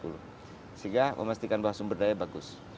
sehingga memastikan bahwa sumber daya bagus